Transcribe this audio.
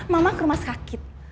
mama ke rumah sakit